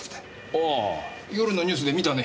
ああ夜のニュースで見たね。